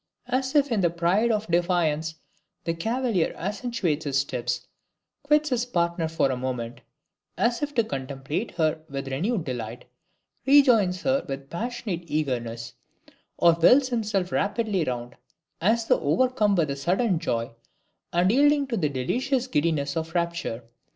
As if in the pride of defiance, the cavalier accentuates his steps, quits his partner for a moment, as if to contemplate her with renewed delight, rejoins her with passionate eagerness, or whirls himself rapidly round, as though overcome with the sudden joy and yielding to the delicious giddiness of rapture.